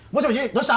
どうした？